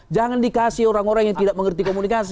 jangan dikasih orang orang yang tidak mengerti komunikasi